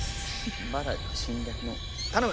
まだ侵略の頼む！